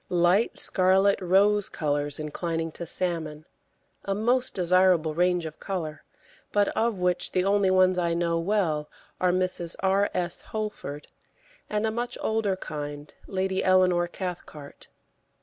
Light scarlet rose colours inclining to salmon, a most desirable range of colour, but of which the only ones I know well are Mrs. R. S. Holford, and a much older kind, Lady Eleanor Cathcart.